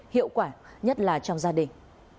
hiệu quả nhất là trong gia đình